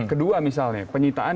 kedua misalnya penyitaan